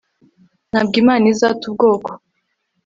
ntabwo imana izata ubwoko